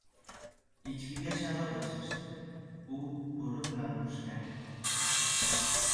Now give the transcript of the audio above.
• Echkiga sharob ichirishdi ― u bo‘ri bilan urushgani ketdi.